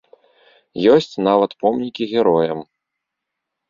Ёсць нават помнікі героям.